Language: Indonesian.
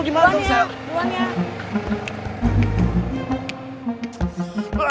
udah gak usah nonton